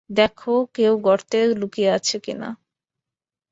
দেখ কেউ গর্তে লুকিয়ে আছে কিনা।